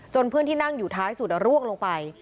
เพื่อนที่นั่งอยู่ท้ายสุดร่วงลงไป